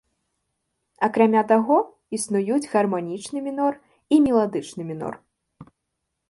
Акрамя таго, існуюць гарманічны мінор і меладычны мінор.